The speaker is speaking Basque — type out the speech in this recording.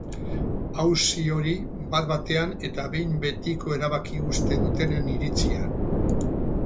Auzi hori bat-batean eta behin betiko erabaki uste dutenen iritzia.